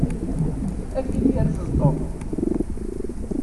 Ad ken-yerfed Tom.